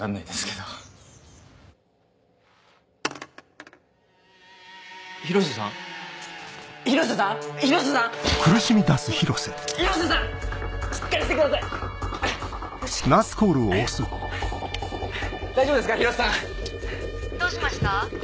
どうしました？